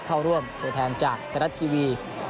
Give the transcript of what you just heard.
เข้าร่วมโดยแทนจากทะลัดทีวี